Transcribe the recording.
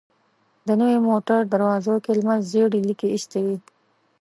د نوې موټر دروازو کې لمر ژېړې ليکې ايستې وې.